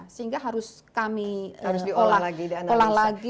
sehingga harus kami olah lagi